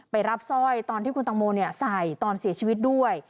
ไปรับสร้อยตอนที่คุณตังโมใส่ตอนเสียชีวิตด้วย